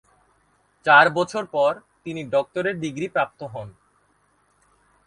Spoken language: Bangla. চার বছর পর, তিনি ডক্টরেট ডিগ্রী প্রাপ্ত হন।